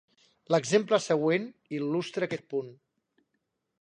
L'exemple següent il·lustra aquest punt.